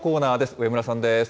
上村さんです。